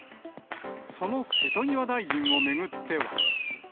その瀬戸際大臣を巡っては。